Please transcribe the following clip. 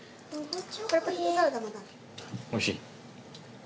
おいしい？